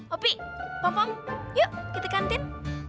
opi pompom yuk kita kantin